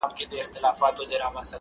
اوس سره جار وتو رباب سومه نغمه یمه,